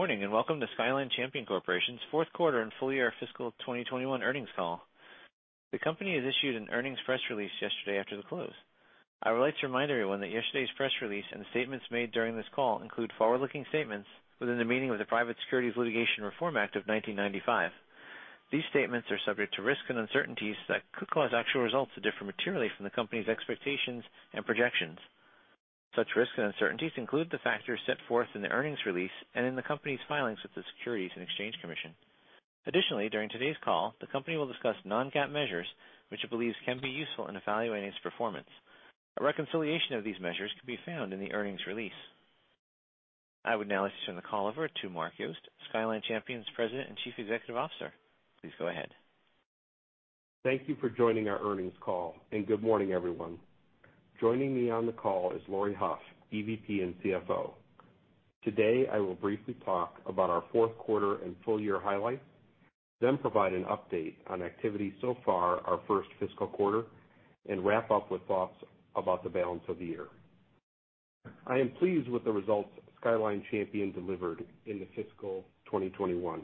Good morning, and welcome to Skyline Champion Corporation's fourth quarter and full year fiscal 2021 earnings call. The company has issued an earnings press release yesterday after the close. I would like to remind everyone that yesterday's press release and statements made during this call include forward-looking statements within the meaning of the Private Securities Litigation Reform Act of 1995. These statements are subject to risks and uncertainties that could cause actual results to differ materially from the company's expectations and projections. Such risks and uncertainties include the factors set forth in the earnings release and in the company's filings with the Securities and Exchange Commission. Additionally, during today's call, the company will discuss non-GAAP measures, which it believes can be useful in evaluating its performance. A reconciliation of these measures can be found in the earnings release. I would now like to turn the call over to Mark Yost, Skyline Champion President and Chief Executive Officer. Please go ahead. Thank you for joining our earnings call. Good morning, everyone. Joining me on the call is Laurie Hough, EVP and CFO. Today, I will briefly talk about our fourth quarter and full-year highlights, then provide an update on activity so far our first fiscal quarter, and wrap up with thoughts about the balance of the year. I am pleased with the results Skyline Champion delivered in the fiscal 2021.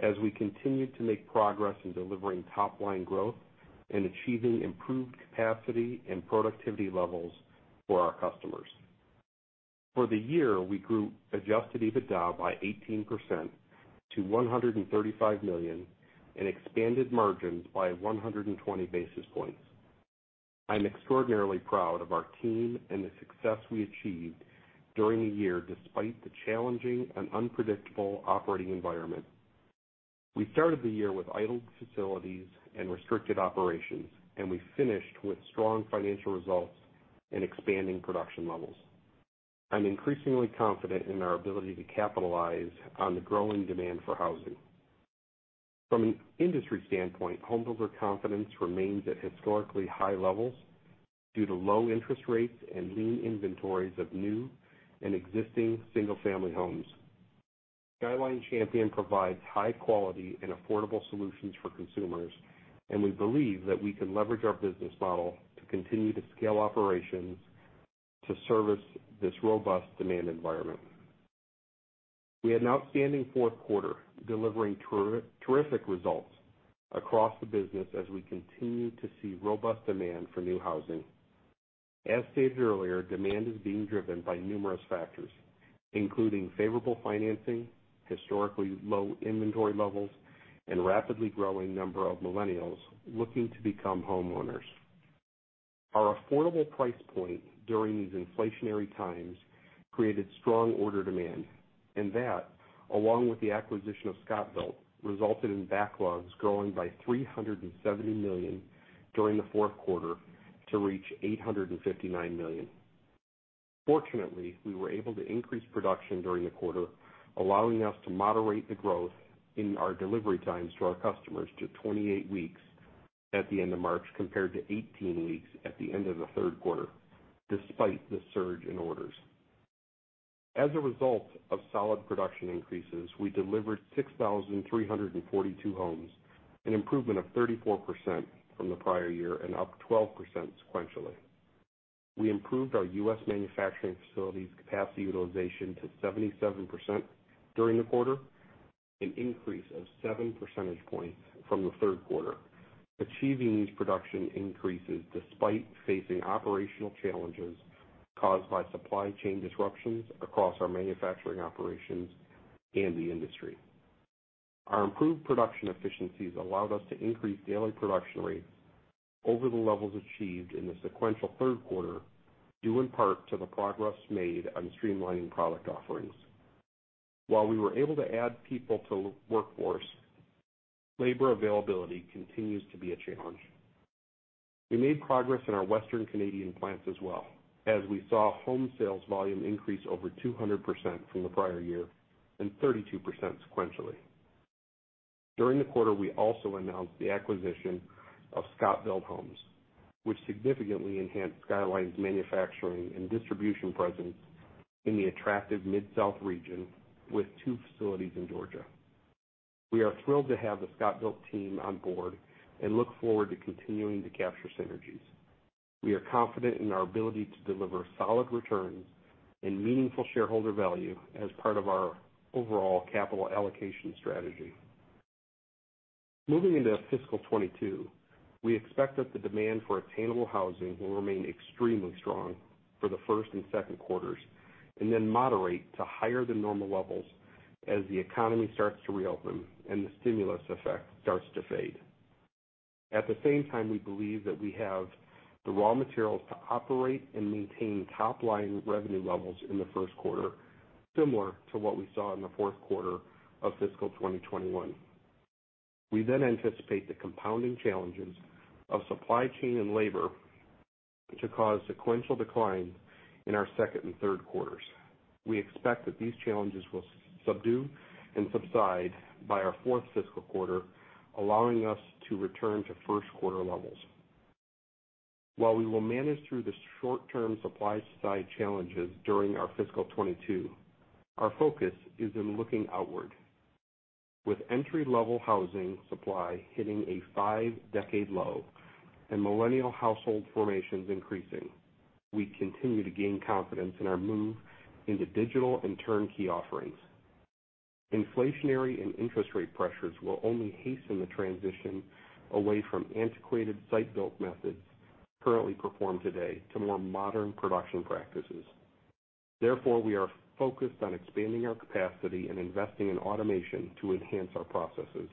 As we continue to make progress in delivering top-line growth and achieving improved capacity and productivity levels for our customers. For the year, we grew adjusted EBITDA by 18% to $135 million and expanded margins by 120 basis points. I'm extraordinarily proud of our team and the success we achieved during the year, despite the challenging and unpredictable operating environment. We started the year with idled facilities and restricted operations, and we finished with strong financial results and expanding production levels. I'm increasingly confident in our ability to capitalize on the growing demand for housing. From an industry standpoint, homebuilder confidence remains at historically high levels due to low-interest rates and lean inventories of new and existing single-family homes. Skyline Champion provides high-quality and affordable solutions for consumers, and we believe that we can leverage our business model to continue to scale operations to service this robust demand environment. We had an outstanding fourth quarter, delivering terrific results across the business as we continue to see robust demand for new housing. As stated earlier, demand is being driven by numerous factors, including favorable financing, historically low inventory levels, and a rapidly growing number of millennials looking to become homeowners. Our affordable price point during these inflationary times created strong order demand, and that, along with the acquisition of ScotBilt, resulted in backlogs growing by $370 million during the fourth quarter to reach $859 million. Fortunately, we were able to increase production during the quarter, allowing us to moderate the growth in our delivery times to our customers to 28 weeks at the end of March, compared to 18 weeks at the end of the third quarter, despite the surge in orders. As a result of solid production increases, we delivered 6,342 homes, an improvement of 34% from the prior year and up 12% sequentially. We improved our U.S. manufacturing facilities capacity utilization to 77% during the quarter, an increase of seven percentage points from the third quarter, achieving these production increases despite facing operational challenges caused by supply chain disruptions across our manufacturing operations and the industry. Our improved production efficiencies allowed us to increase daily production rates over the levels achieved in the sequential third quarter, due in part to the progress made on streamlining product offerings. While we were able to add people to the workforce, labor availability continues to be a challenge. We made progress in our Western Canadian plants as well, as we saw home sales volume increase over 200% from the prior year and 32% sequentially. During the quarter, we also announced the acquisition of ScotBilt Homes, which significantly enhanced Skyline's manufacturing and distribution presence in the attractive mid-south region with two facilities in Georgia. We are thrilled to have the ScotBilt team on board and look forward to continuing to capture synergies. We are confident in our ability to deliver solid returns and meaningful shareholder value as part of our overall capital allocation strategy. Moving into fiscal 2022, we expect that the demand for attainable housing will remain extremely strong for the first and second quarters and then moderate to higher than normal levels as the economy starts to reopen and the stimulus effect starts to fade. At the same time, we believe that we have the raw materials to operate and maintain top-line revenue levels in the first quarter, similar to what we saw in the fourth quarter of fiscal 2021. We then anticipate the compounding challenges of supply chain and labor to cause sequential declines in our second and third quarters. We expect that these challenges will subdue and subside by our fourth fiscal quarter, allowing us to return to first quarter levels. While we will manage through the short-term supply side challenges during our fiscal 2022, our focus is in looking outward. With entry-level housing supply hitting a five-decade low and millennial household formations increasing, we continue to gain confidence in our move into digital and turnkey offerings. Inflationary and interest rate pressures will only hasten the transition away from antiquated site-built methods currently performed today to more modern production practices. Therefore, we are focused on expanding our capacity and investing in automation to enhance our processes.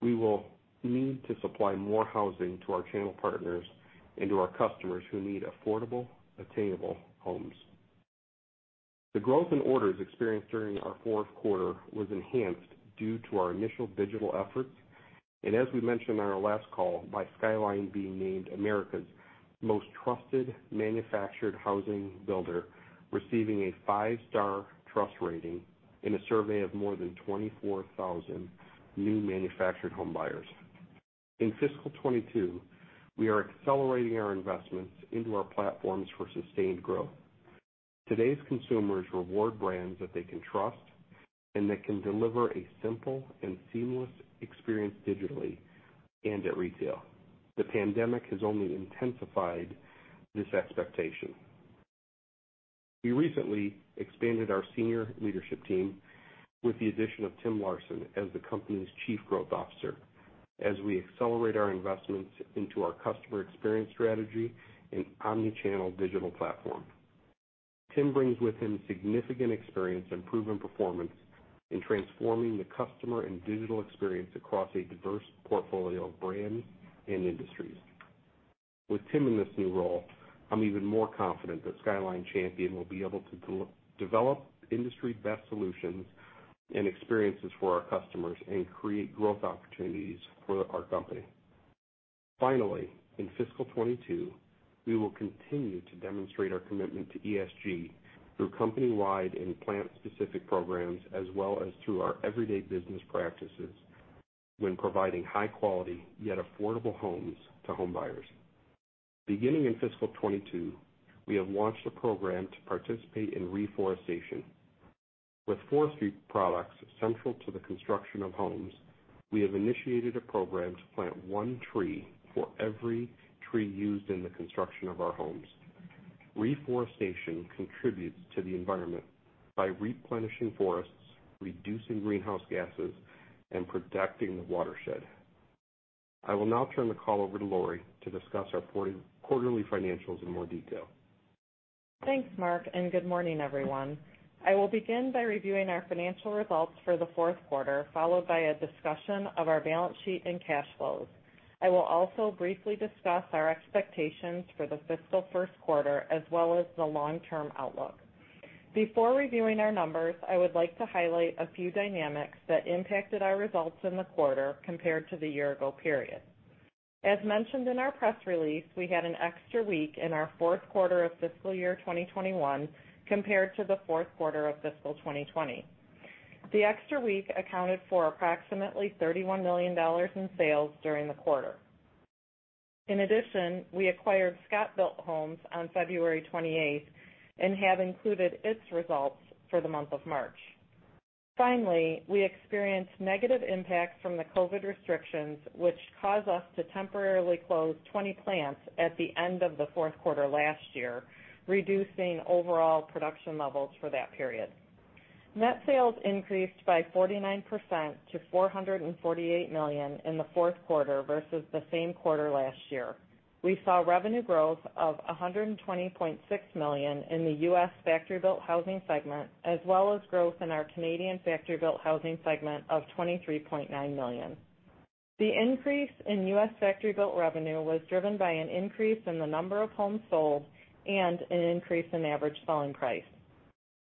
We will need to supply more housing to our channel partners and to our customers who need affordable, attainable homes. The growth in orders experienced during our fourth quarter was enhanced due to our initial digital efforts, and as we mentioned on our last call, by Skyline being named America's Most Trusted Manufactured Housing Builder, receiving a five-star trust rating in a survey of more than 24,000 new manufactured home buyers. In fiscal 2022, we are accelerating our investments into our platforms for sustained growth. Today's consumers reward brands that they can trust and that can deliver a simple and seamless experience digitally and at retail. The pandemic has only intensified this expectation. We recently expanded our senior leadership team with the addition of Tim Larson as the company's Chief Growth Officer as we accelerate our investments into our customer experience strategy and omnichannel digital platform. Tim brings with him significant experience and proven performance in transforming the customer and digital experience across a diverse portfolio of brands and industries. With Tim in this new role, I'm even more confident that Skyline Champion will be able to develop industry-best solutions and experiences for our customers and create growth opportunities for our company. Finally, in fiscal 2022, we will continue to demonstrate our commitment to ESG through company-wide and plant-specific programs, as well as through our everyday business practices when providing high-quality, yet affordable homes to homebuyers. Beginning in fiscal 2022, we have launched a program to participate in reforestation. With forestry products central to the construction of homes, we have initiated a program to plant one tree for every tree used in the construction of our homes. Reforestation contributes to the environment by replenishing forests, reducing greenhouse gases, and protecting the watershed. I will now turn the call over to Laurie to discuss our quarterly financials in more detail. Thanks, Mark, and good morning, everyone. I will begin by reviewing our financial results for the fourth quarter, followed by a discussion of our balance sheet and cash flows. I will also briefly discuss our expectations for the fiscal first quarter, as well as the long-term outlook. Before reviewing our numbers, I would like to highlight a few dynamics that impacted our results in the quarter compared to the year-ago period. As mentioned in our press release, we had an extra week in our fourth quarter of fiscal year 2021 compared to the fourth quarter of fiscal 2020. The extra week accounted for approximately $31 million in sales during the quarter. In addition, we acquired ScotBilt Homes on February 28th and have included its results for the month of March. Finally, we experienced negative impact from the COVID restrictions, which caused us to temporarily close 20 plants at the end of the fourth quarter last year, reducing overall production levels for that period. Net sales increased by 49% to $448 million in the fourth quarter versus the same quarter last year. We saw revenue growth of $120.6 million in the U.S. factory-built housing segment, as well as growth in our Canadian factory-built housing segment of $23.9 million. The increase in U.S. factory-built revenue was driven by an increase in the number of homes sold and an increase in average selling price.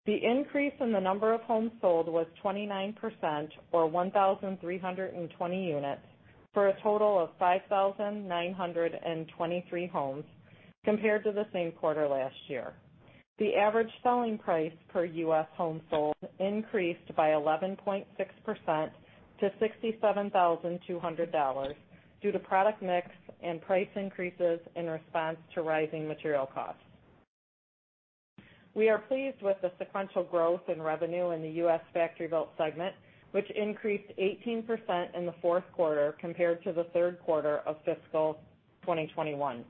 The increase in the number of homes sold was 29%, or 1,320 units, for a total of 5,923 homes compared to the same quarter last year. The average selling price per U.S. home sold increased by 11.6% to $67,200 due to product mix and price increases in response to rising material costs. We are pleased with the sequential growth in revenue in the U.S. factory-built segment, which increased 18% in the fourth quarter compared to the third quarter of fiscal 2021.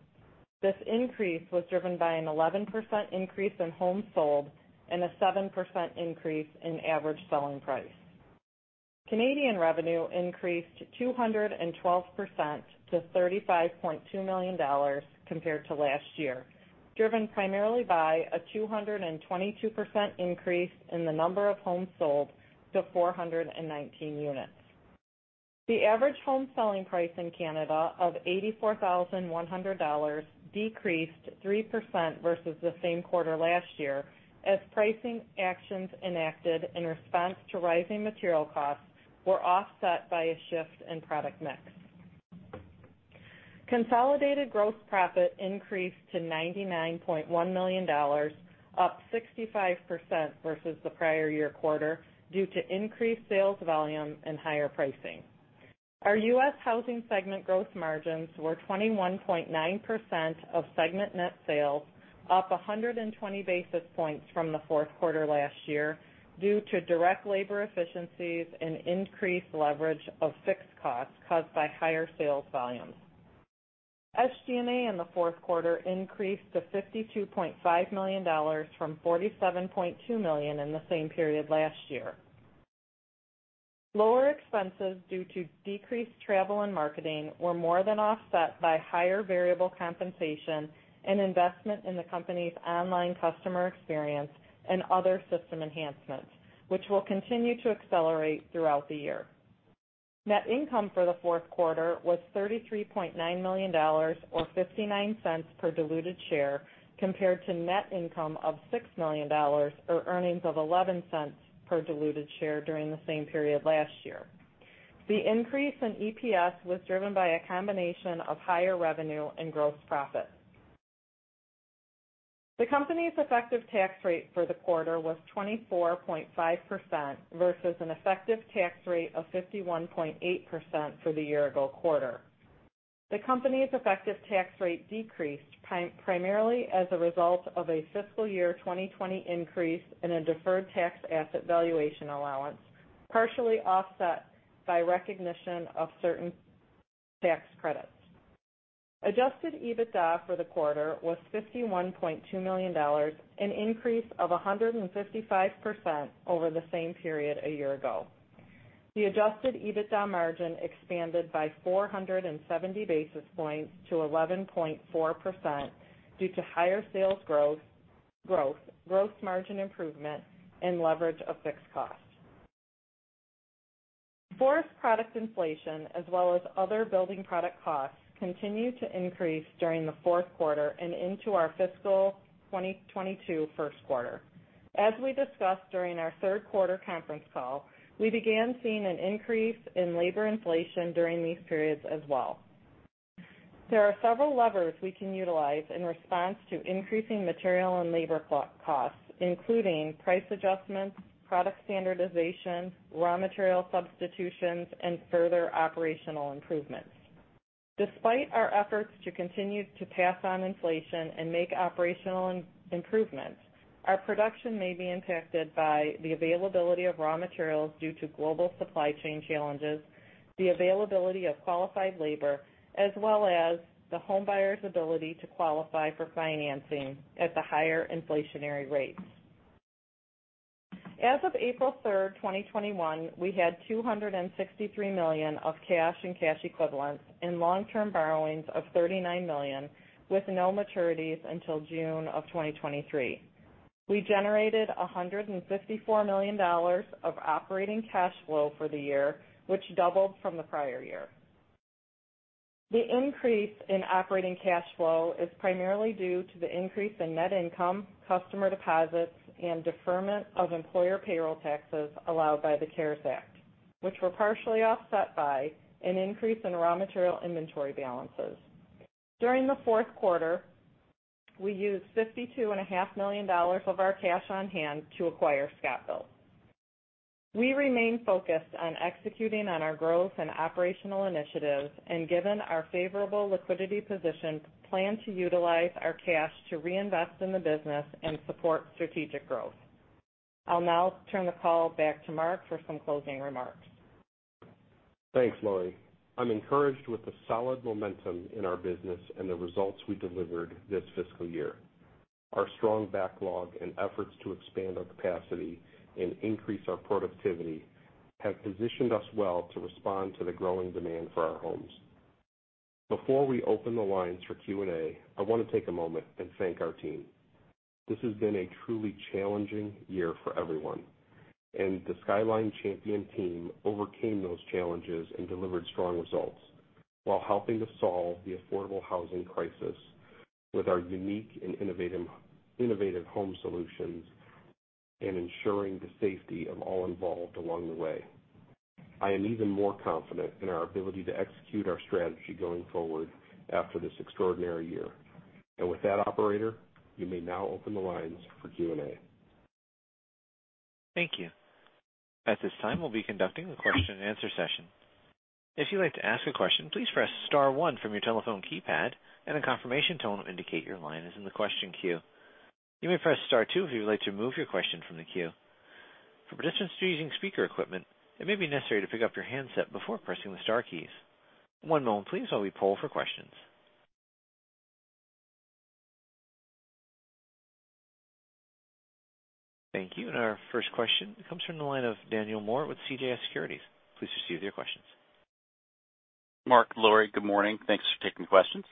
This increase was driven by an 11% increase in homes sold and a 7% increase in average selling price. Canadian revenue increased 212% to $35.2 million compared to last year, driven primarily by a 222% increase in the number of homes sold to 419 units. The average home selling price in Canada of $84,100 decreased 3% versus the same quarter last year as pricing actions enacted in response to rising material costs were offset by a shift in product mix. Consolidated gross profit increased to $99.1 million, up 65% versus the prior year quarter due to increased sales volume and higher pricing. Our U.S. housing segment gross margins were 21.9% of segment net sales, up 120 basis points from the fourth quarter last year due to direct labor efficiencies and increased leverage of fixed costs caused by higher sales volumes. SG&A in the fourth quarter increased to $52.5 million from $47.2 million in the same period last year. Lower expenses due to decreased travel and marketing were more than offset by higher variable compensation and investment in the company's online customer experience and other system enhancements, which will continue to accelerate throughout the year. Net income for the fourth quarter was $33.9 million, or $0.59 per diluted share, compared to net income of $6 million, or earnings of $0.11 per diluted share during the same period last year. The increase in EPS was driven by a combination of higher revenue and gross profit. The company's effective tax rate for the quarter was 24.5%, versus an effective tax rate of 51.8% for the year-ago quarter. The company's effective tax rate decreased primarily as a result of a fiscal year 2020 increase in a deferred tax asset valuation allowance, partially offset by recognition of certain tax credits. Adjusted EBITDA for the quarter was $51.2 million, an increase of 155% over the same period a year ago. The adjusted EBITDA margin expanded by 470 basis points to 11.4% due to higher sales growth, gross margin improvement, and leverage of fixed costs. Forest product inflation, as well as other building product costs, continued to increase during the fourth quarter and into our fiscal 2022 first quarter. As we discussed during our third-quarter conference call, we began seeing an increase in labor inflation during these periods as well. There are several levers we can utilize in response to increasing material and labor costs, including price adjustments, product standardization, raw material substitutions, and further operational improvements. Despite our efforts to continue to pass on inflation and make operational improvements, our production may be impacted by the availability of raw materials due to global supply chain challenges, the availability of qualified labor, as well as the homebuyer's ability to qualify for financing at the higher inflationary rates. As of April 3rd, 2021, we had $263 million of cash and cash equivalents and long-term borrowings of $39 million, with no maturities until June of 2023. We generated $154 million of operating cash flow for the year, which doubled from the prior year. The increase in operating cash flow is primarily due to the increase in net income, customer deposits, and deferment of employer payroll taxes allowed by the CARES Act, which were partially offset by an increase in raw material inventory balances. During the fourth quarter, we used $52.5 million of our cash on hand to acquire ScotBilt. We remain focused on executing on our growth and operational initiatives, and given our favorable liquidity position, plan to utilize our cash to reinvest in the business and support strategic growth. I'll now turn the call back to Mark for some closing remarks. Thanks, Laurie. I'm encouraged with the solid momentum in our business and the results we delivered this fiscal year. Our strong backlog and efforts to expand our capacity and increase our productivity have positioned us well to respond to the growing demand for our homes. Before we open the lines for Q&A, I want to take a moment and thank our team. This has been a truly challenging year for everyone, and the Skyline Champion team overcame those challenges and delivered strong results while helping to solve the affordable housing crisis with our unique and innovative home solutions and ensuring the safety of all involved along the way. I am even more confident in our ability to execute our strategy going forward after this extraordinary year. With that, operator, you may now open the lines for Q&A. Thank you. At this time, we'll be conducting a question and answer session. If you would like to ask a question, please press star one from your telephone keypad, and a confirmation tone will indicate your line is in the question queue. You may press star two if you would like to remove your question from the queue. For participants using speaker equipment, it may be necessary to pick up your handset before pressing the star key. One moment, please, while we poll for questions. Thank you. Our first question comes from the line of Daniel Moore with CJS Securities. Please proceed with your questions. Mark, Laurie, good morning. Thanks for taking questions.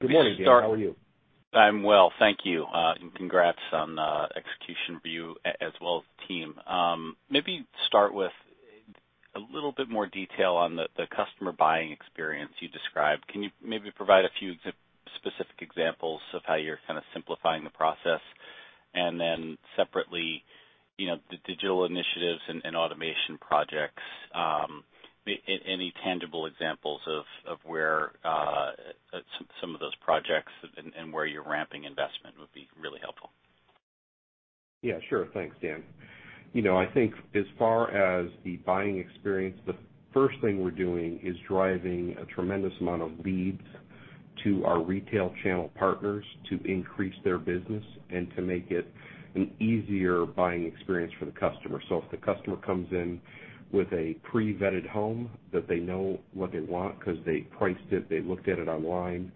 Good morning, Daniel. How are you? I'm well, thank you. Congrats on the execution for you as well as the team. Maybe start with a little bit more detail on the customer buying experience you described. Can you maybe provide a few specific examples of how you're kind of simplifying the process? Separately, the digital initiatives and automation projects, any tangible examples of some of those projects and where you're ramping investment would be really helpful. Yeah, sure. Thanks, Dan. I think as far as the buying experience, the first thing we're doing is driving a tremendous amount of leads to our retail channel partners to increase their business and to make it an easier buying experience for the customer. If the customer comes in with a pre-vetted home that they know what they want because they priced it, they looked at it online,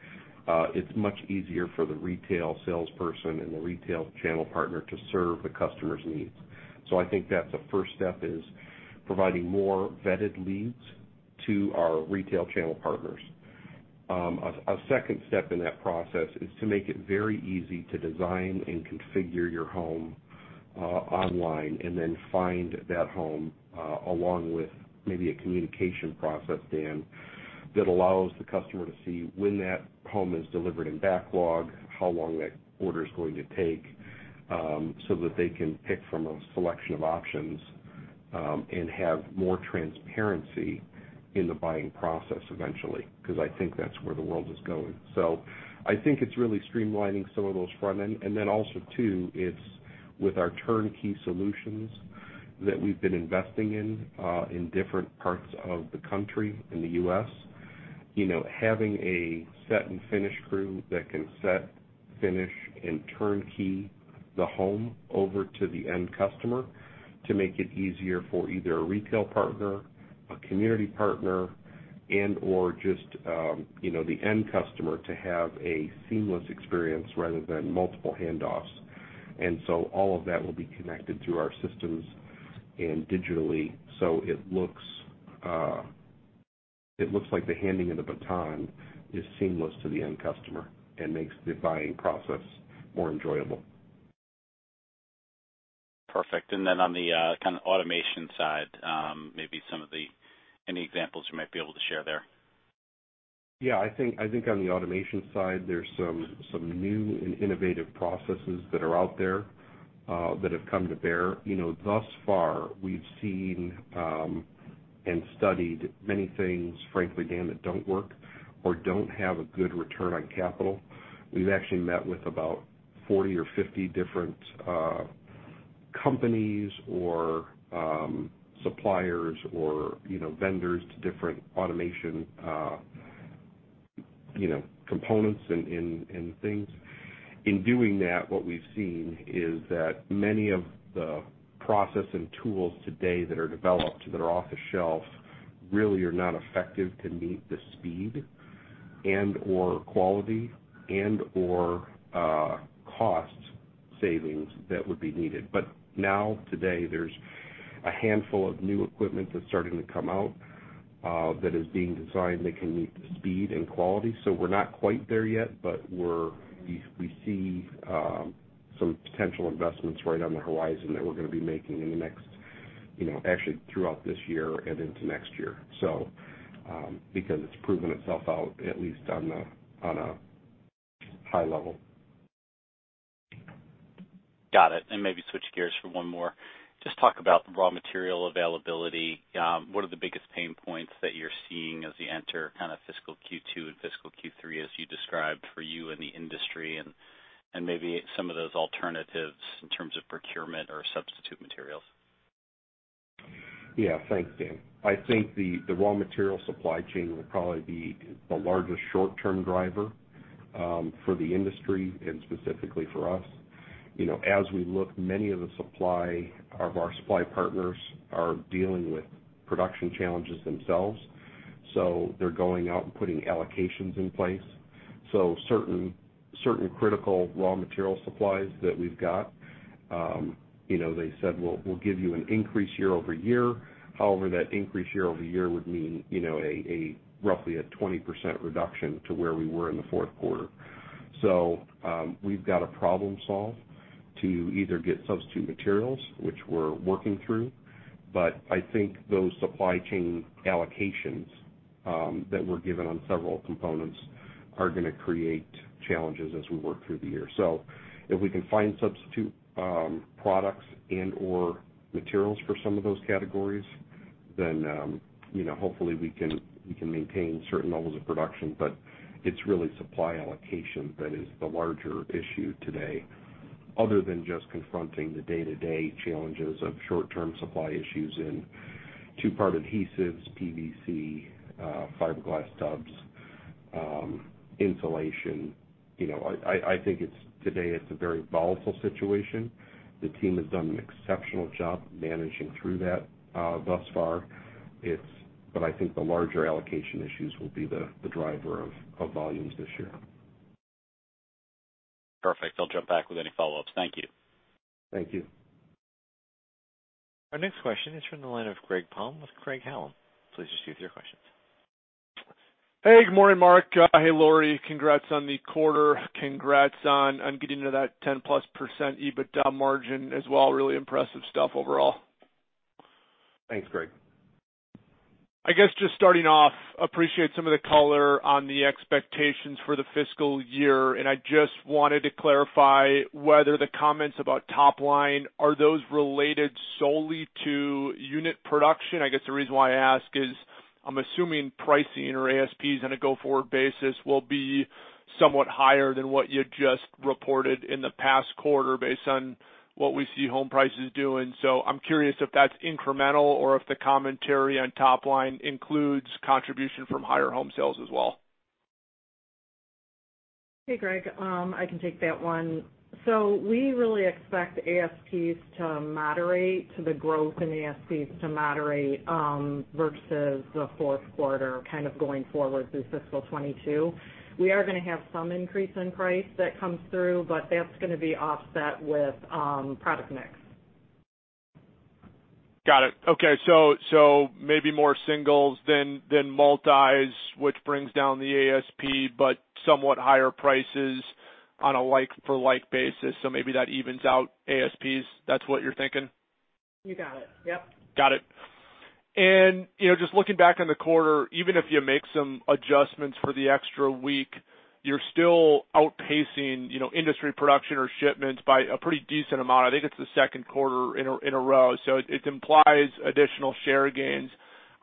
it's much easier for the retail salesperson and the retail channel partner to serve the customer's needs. I think that the first step is providing more vetted leads to our retail channel partners. A second step in that process is to make it very easy to design and configure your home online and then find that home, along with maybe a communication process, Dan, that allows the customer to see when that home is delivered in backlog, how long that order's going to take, so that they can pick from a selection of options and have more transparency in the buying process eventually, because I think that's where the world is going. I think it's really streamlining some of those front end. Also too, it's with our turnkey solutions that we've been investing in different parts of the country, in the U.S., having a set and finish crew that can set, finish, and turnkey the home over to the end customer to make it easier for either a retail partner, a community partner, and/or just the end customer to have a seamless experience rather than multiple handoffs. All of that will be connected through our systems and digitally, so it looks like the handing of the baton is seamless to the end customer and makes the buying process more enjoyable. Perfect. On the kind of automation side, maybe any examples you might be able to share there? Yeah, I think on the automation side, there's some new and innovative processes that are out there that have come to bear. Thus far, we've seen and studied many things, frankly, Dan, that don't work or don't have a good return on capital. We've actually met with about 40 or 50 different companies or suppliers or vendors to different automation components and things. In doing that, what we've seen is that many of the process and tools today that are developed that are off the shelves really are not effective to meet the speed and/or quality and/or cost savings that would be needed. Now today, there's a handful of new equipment that's starting to come out that is being designed that can meet the speed and quality. We're not quite there yet, but we see some potential investments right on the horizon that we're going to be making actually throughout this year and into next year. It's proven itself out, at least on a high level. Got it. Maybe switch gears for one more. Just talk about raw material availability. What are the biggest pain points that you're seeing as we enter kind of fiscal Q2 and fiscal Q3, as you described for you and the industry, and maybe some of those alternatives in terms of procurement or substitute materials? Yeah. Thanks, Dan. I think the raw material supply chain will probably be the largest short-term driver for the industry and specifically for us. As we look, many of our supply partners are dealing with production challenges themselves. They're going out and putting allocations in place. Certain critical raw material supplies that we've got they said, "Well, we'll give you an increase year-over-year." However, that increase year-over-year would mean roughly a 20% reduction to where we were in the fourth quarter. We've got to problem solve to either get substitute materials, which we're working through. I think those supply chain allocations that we're given on several components are going to create challenges as we work through the year. If we can find substitute products and/or materials for some of those categories, then hopefully we can maintain certain levels of production. It's really supply allocation that is the larger issue today, other than just confronting the day-to-day challenges of short-term supply issues in two-part adhesives, PVC, fiberglass tubs, insulation. I think today it's a very volatile situation. The team has done an exceptional job managing through that thus far. I think the larger allocation issues will be the driver of volumes this year. Perfect. I'll jump back with any follow-ups. Thank you. Thank you. Our next question is from the line of Greg Palm with Craig-Hallum. Please proceed with your questions. Hey, good morning, Mark. Hey, Laurie. Congrats on the quarter. Congrats on getting to that 10-plus% EBITDA margin as well. Really impressive stuff overall. Thanks, Greg. I guess just starting off, appreciate some of the color on the expectations for the fiscal year. I just wanted to clarify whether the comments about top line, are those related solely to unit production? I guess the reason why I ask is, I'm assuming pricing or ASPs on a go-forward basis will be somewhat higher than what you just reported in the past quarter based on what we see home prices doing. I'm curious if that's incremental or if the commentary on top line includes contribution from higher home sales as well. Hey, Greg. I can take that one. We really expect ASPs to moderate to the growth in ASPs to moderate versus the fourth quarter kind of going forward through fiscal 2022. We are going to have some increase in price that comes through, that's going to be offset with product mix. Got it. Okay. Maybe more singles than multis, which brings down the ASP, but somewhat higher prices on a like-for-like basis. Maybe that evens out ASPs. That's what you're thinking? You got it. Yep. Got it. Just looking back on the quarter, even if you make some adjustments for the extra week, you're still outpacing industry production or shipments by a pretty decent amount. I think it's the second quarter in a row. It implies additional share gains.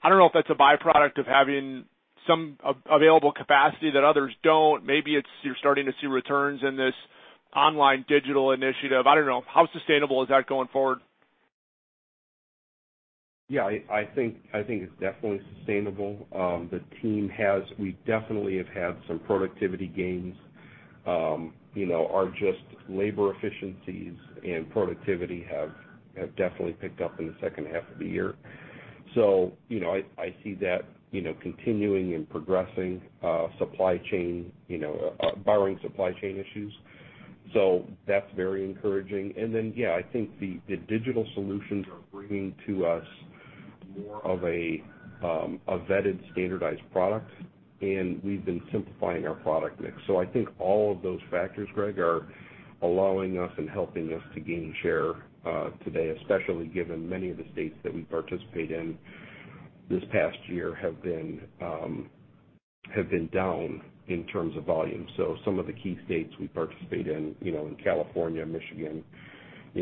I don't know if that's a byproduct of having some available capacity that others don't. Maybe it's you're starting to see returns in this online digital initiative. I don't know. How sustainable is that going forward? Yeah, I think it's definitely sustainable. The team has had some productivity gains. Our labor efficiencies and productivity have definitely picked up in the second half of the year. I see that continuing and progressing, barring supply chain issues. That's very encouraging. Then, yeah, I think the digital solutions are bringing to us more of a vetted standardized product, and we've been simplifying our product mix. I think all of those factors, Greg, are allowing us and helping us to gain share today, especially given many of the states that we participate in this past year have been down in terms of volume. Some of the key states we participate in, California, Michigan,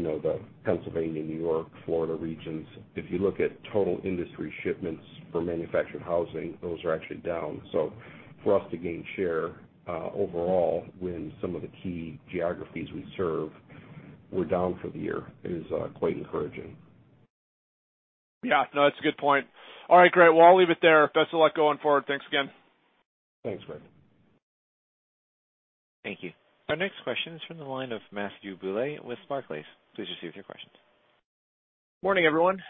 the Pennsylvania, New York, Florida regions. If you look at total industry shipments for manufactured housing, those are actually down. For us to gain share overall when some of the key geographies we serve were down for the year is quite encouraging. Yeah, no, that's a good point. All right, great. Well, I'll leave it there. Best of luck going forward. Thanks again. Thanks, Greg. Thank you. Our next question is from the line of Matthew Bouley with Barclays. Please proceed with your question. Morning, everyone.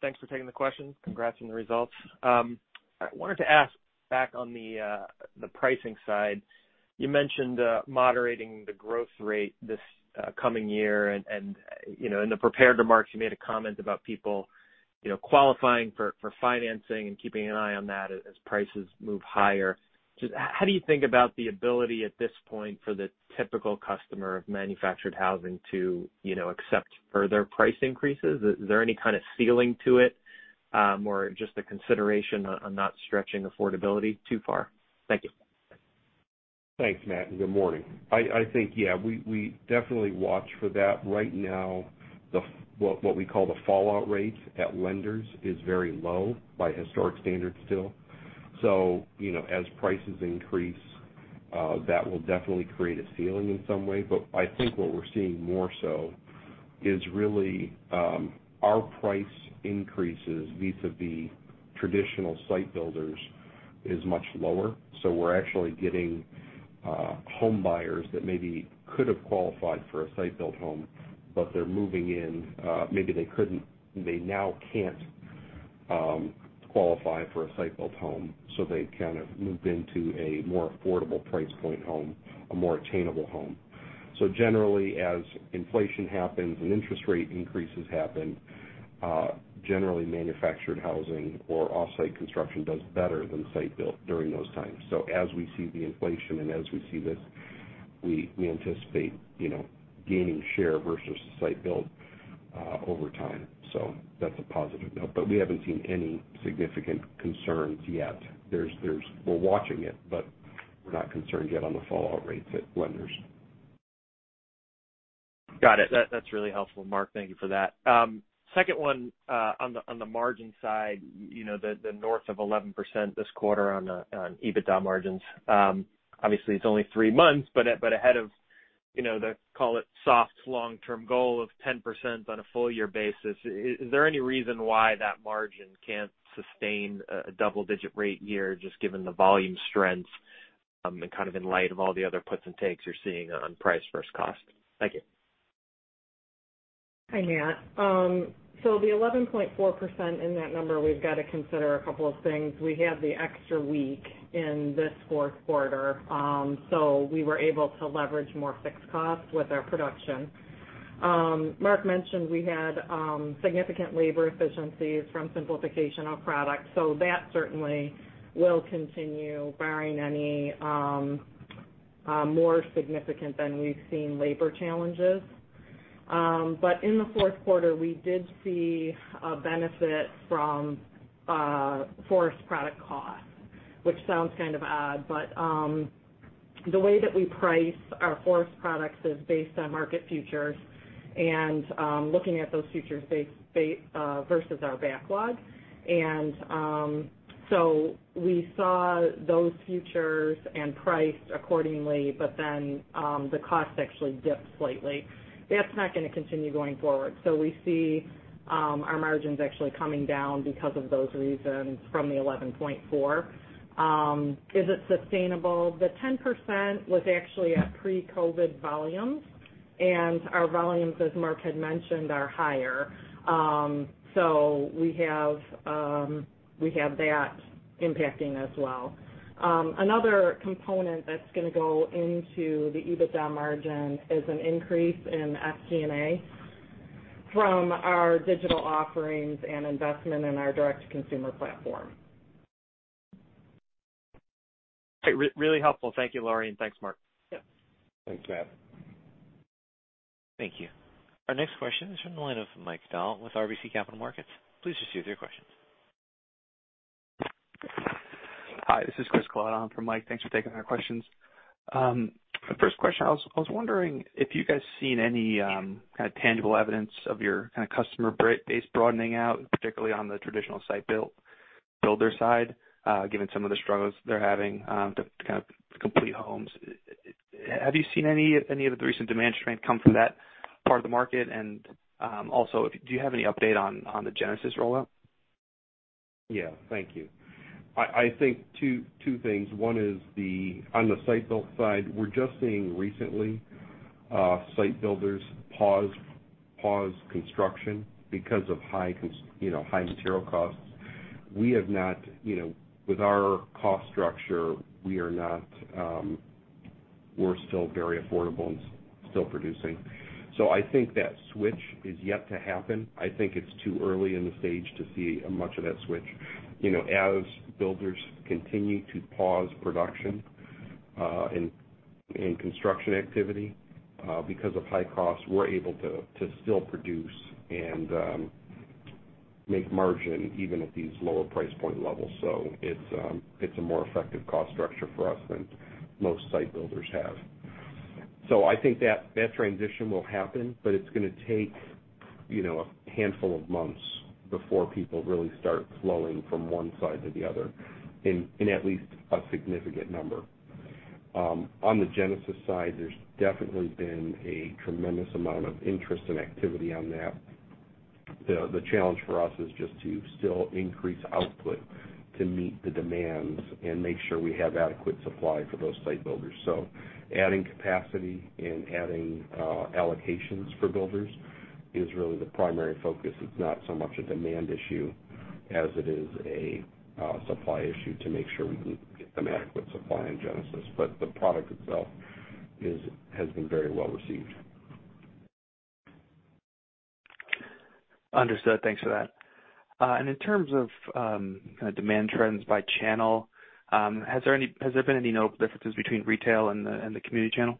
Thanks for taking the question. Congrats on your results. I wanted to ask back on the pricing side. You mentioned moderating the growth rate this coming year, and in the prepared remarks, you made a comment about people qualifying for financing and keeping an eye on that as prices move higher. Just how do you think about the ability at this point for the typical customer of manufactured housing to accept further price increases? Is there any kind of ceiling to it or just a consideration on not stretching affordability too far? Thank you. Thanks, Matt. Good morning. I think, yeah, we definitely watch for that. Right now, what we call the fallout rates at lenders is very low by historic standards still. As prices increase, that will definitely create a ceiling in some way. I think what we're seeing more so is really our price increases vis-a-vis traditional site builders is much lower. We're actually getting home buyers that maybe could have qualified for a site-built home, but they're moving in. Maybe they now can't qualify for a site-built home, so they've kind of moved into a more affordable price point home, a more attainable home. Generally, as inflation happens and interest rate increases happen, generally manufactured housing or off-site construction does better than site-built during those times. As we see the inflation and as we see this, we anticipate gaining share versus site-built over time. That's a positive note. We haven't seen any significant concerns yet. We're watching it, but we're not concerned yet on the fallout rates at lenders. Got it. That's really helpful, Mark. Thank you for that. Second one, on the margin side, the north of 11% this quarter on EBITDA margins. Obviously, it's only three months, but ahead of the, call it soft, long-term goal of 10% on a full year basis. Is there any reason why that margin can't sustain a double-digit rate year just given the volume strength and kind of in light of all the other puts and takes you're seeing on price versus cost? Thank you. Hey, Matt. The 11.4% in that number, we've got to consider a couple of things. We had the extra week in this fourth quarter, we were able to leverage more fixed costs with our production. Mark mentioned we had significant labor efficiencies from simplification of product. That certainly will continue barring any more significant than we've seen labor challenges. In the fourth quarter, we did see a benefit from forest product costs. Which sounds kind of odd, the way that we price our forest products is based on market futures and looking at those futures versus our backlog. We saw those futures and priced accordingly, the cost actually dipped slightly. That's not going to continue going forward. We see our margins actually coming down because of those reasons from the 11.4%. Is it sustainable? The 10% was actually at pre-COVID volumes, and our volumes, as Mark had mentioned, are higher. We have that impacting as well. Another component that's going to go into the EBITDA margin is an increase in SG&A from our digital offerings and investment in our direct-to-consumer platform. Great. Really helpful. Thank you, Laurie, and thanks, Mark. Yeah. Thanks, Matt. Thank you. Our next question is from the line of Mike Dahl with RBC Capital Markets. Please proceed with your question. Hi, this is Chris on for Mike Dahl. Thanks for taking our questions. For the first question, I was wondering if you guys seen any kind of tangible evidence of your customer base broadening out, particularly on the traditional site builder side, given some of the struggles they're having to complete homes. Have you seen any of the recent demand strength come from that part of the market? Also, do you have any update on the Genesis rollout? Yeah, thank you. I think two things. One is on the site build side, we're just seeing recently, site builders pause construction because of high material costs. With our cost structure, we're still very affordable and still producing. I think that switch is yet to happen. I think it's too early in the stage to see much of that switch. As builders continue to pause production and construction activity because of high costs, we're able to still produce and make margin even at these lower price point levels. It's a more effective cost structure for us than most site builders have. I think that transition will happen, but it's going to take a handful of months before people really start flowing from one side to the other in at least a significant number. On the Genesis side, there's definitely been a tremendous amount of interest and activity on that. The challenge for us is just to still increase output to meet the demands and make sure we have adequate supply for those site builders. Adding capacity and adding allocations for builders is really the primary focus. It's not so much a demand issue as it is a supply issue to make sure we get them adequate supply in Genesis. The product itself has been very well received. Understood. Thanks for that. In terms of demand trends by channel, has there been any differences between retail and the community channel?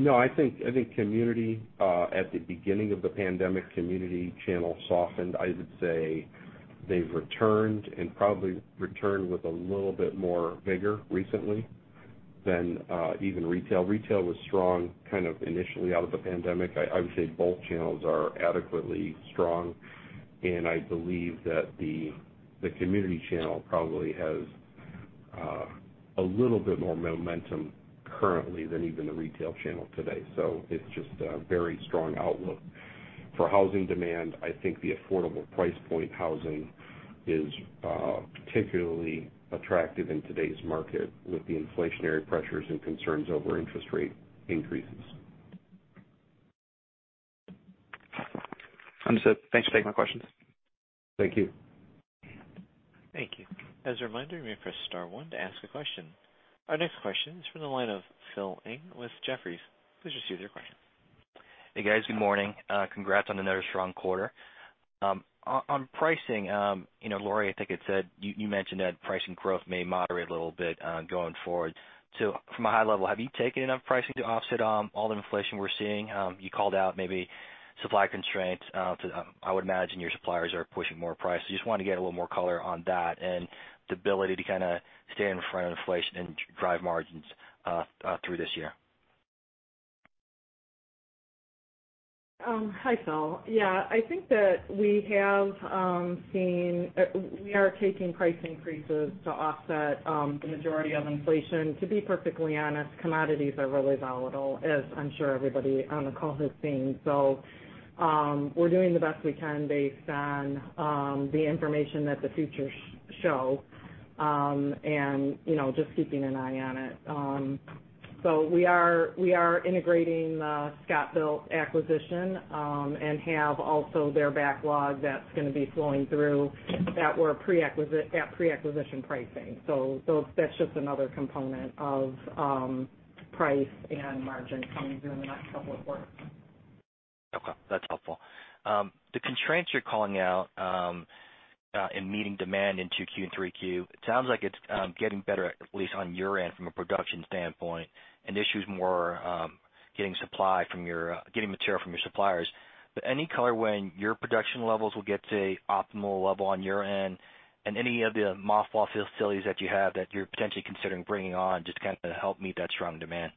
No, I think at the beginning of the pandemic, community channel softened. I would say they've returned and probably returned with a little bit more vigor recently than even retail. Retail was strong kind of initially out of the pandemic. I would say both channels are adequately strong, and I believe that the community channel probably has a little bit more momentum currently than even the retail channel today. It's just a very strong outlook. For housing demand, I think the affordable price point housing is particularly attractive in today's market with the inflationary pressures and concerns over interest rate increases. Understood. Thanks for taking my questions. Thank you. Thank you. As a reminder, you may press star one to ask a question. Our next question is from the line of Phil Ng with Jefferies. Please proceed with your question. Hey, guys, good morning. Congrats on another strong quarter. On pricing, Laurie, I think you mentioned that pricing growth may moderate a little bit going forward. From a high level, have you taken enough pricing to offset all the inflation we're seeing? You called out maybe supply constraints. I would imagine your suppliers are pushing more price. Just want to get a little more color on that and the ability to kind of stay in front of inflation and drive margins through this year. Hi, Phil. Yeah, I think that we are taking price increases to offset the majority of inflation. To be perfectly honest, commodities are really volatile, as I'm sure everybody on the call has seen. We're doing the best we can based on the information that the futures show, and just keeping an eye on it. We are integrating the ScotBilt acquisition, and have also their backlog that's going to be flowing through that were at pre-acquisition pricing. That's just another component of price and margin coming through in the next couple of quarters. Okay. That's helpful. The constraints you're calling out in meeting demand into Q3, it sounds like it's getting better, at least on your end from a production standpoint, and the issue is more getting material from your suppliers. Any color when your production levels will get to optimal level on your end, and any of the mothballed facilities that you have that you're potentially considering bringing on just to help meet that strong demand?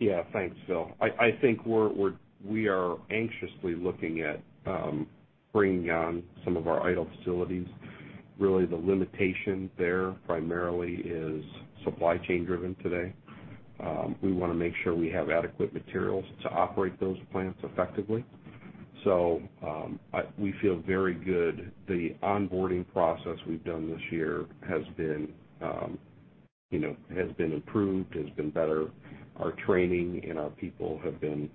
Yeah. Thanks, Phil. I think we are anxiously looking at bringing on some of our idle facilities. The limitation there primarily is supply chain driven today. We want to make sure we have adequate materials to operate those plants effectively. We feel very good. The onboarding process we've done this year has been improved, has been better. Our training and our people have been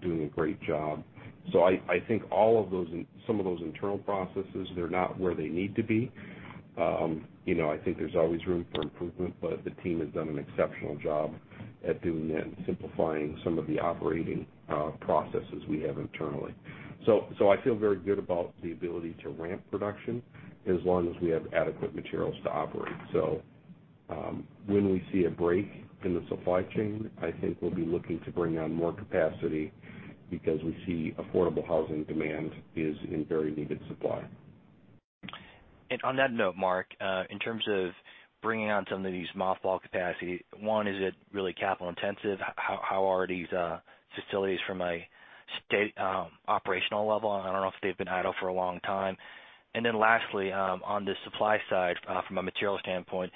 doing a great job. I think some of those internal processes, they're not where they need to be. I think there's always room for improvement, but the team has done an exceptional job at doing that and simplifying some of the operating processes we have internally. I feel very good about the ability to ramp production as long as we have adequate materials to operate. When we see a break in the supply chain, I think we'll be looking to bring on more capacity because we see affordable housing demand is in very needed supply. On that note, Mark, in terms of bringing on some of these mothballed capacity, one, is it really capital intensive? How are these facilities from a operational level? I don't know if they've been idle for a long time. Lastly, on the supply side, from a material standpoint,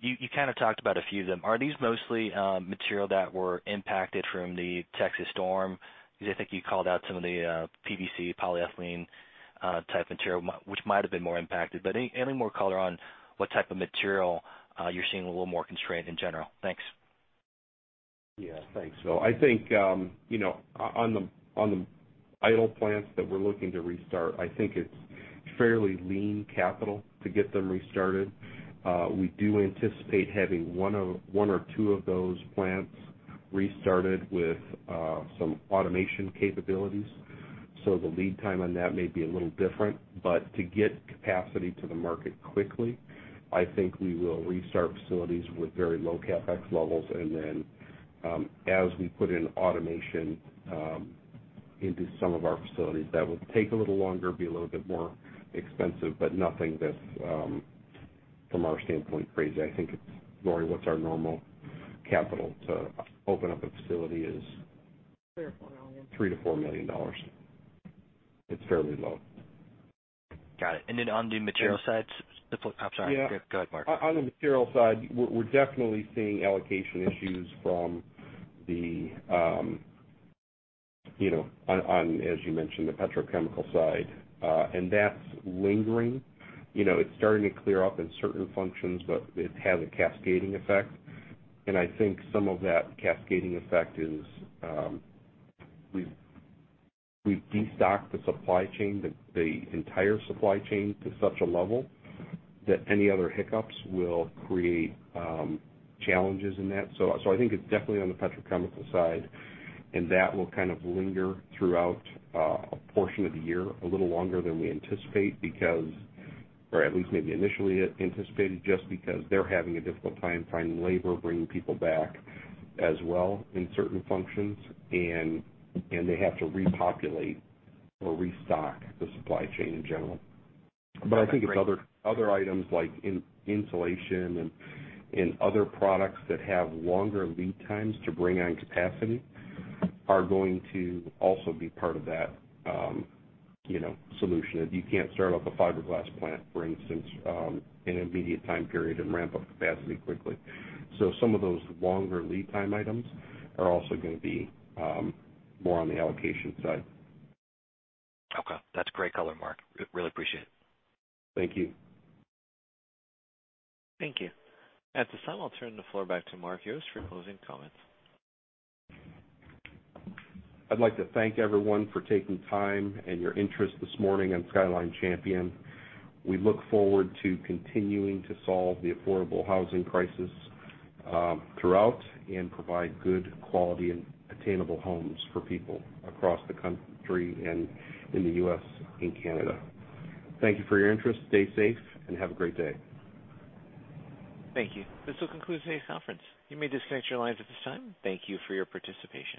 you talked about a few of them. Are these mostly material that were impacted from the Texas storm? Because I think you called out some of the PVC, polyethylene type material, which might have been more impacted. Any more color on what type of material you're seeing a little more constrained in general? Thanks. Yeah. Thanks, Phil. I think on the idle plants that we're looking to restart, I think it's fairly lean capital to get them restarted. We do anticipate having one or two of those plants restarted with some automation capabilities. The lead time on that may be a little different, but to get capacity to the market quickly, I think we will restart facilities with very low CapEx levels. As we put in automation into some of our facilities, that will take a little longer, be a little bit more expensive, but nothing that's from our standpoint crazy. I think it's more what's our normal capital to open up a facility is. $3 million or $4 million $3 million-$4 million. It's fairly low. Got it. On the material side. I'm sorry. Go ahead, Mark. On the material side, we're definitely seeing allocation issues from the, as you mentioned, the petrochemical side. That's lingering. It's starting to clear up in certain functions, but it has a cascading effect. I think some of that cascading effect is, we've destocked the supply chain, the entire supply chain to such a level that any other hiccups will create challenges in that. I think it's definitely on the petrochemical side, and that will kind of linger throughout a portion of the year, a little longer than we anticipate because, or at least maybe initially anticipated, just because they're having a difficult time finding labor, bringing people back as well in certain functions, and they have to repopulate or restock the supply chain in general. I think other items like insulation and other products that have longer lead times to bring on capacity are going to also be part of that solution, as you can't start up a fiberglass plant, for instance, in an immediate time period and ramp up capacity quickly. Some of those longer lead time items are also going to be more on the allocation side. Okay. That's great color, Mark. Really appreciate it. Thank you. Thank you. That's time. I'll turn the floor back to Mark Yost for closing comments. I'd like to thank everyone for taking time and your interest this morning on Skyline Champion. We look forward to continuing to solve the affordable housing crisis throughout and provide good quality and attainable homes for people across the country and in the U.S. and Canada. Thank you for your interest. Stay safe and have a great day. Thank you. This will conclude today's conference. You may disconnect your lines at this time. Thank you for your participation.